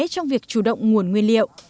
trong việc chủ động nguồn nguyên liệu